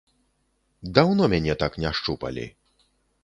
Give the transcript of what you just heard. Даўно мяне так не шчупалі.